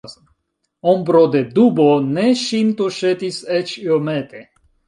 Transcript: Ombro de dubo ne ŝin tuŝetis eĉ iomete.